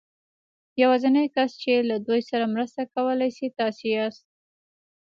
يوازېنی کس چې له دوی سره مرسته کولای شي تاسې ياست.